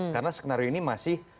karena skenario ini masih